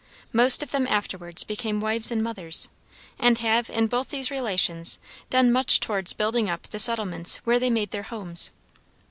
Most of them afterwards became wives and mothers, and have in both these relations done much towards building up the settlements where they made their homes.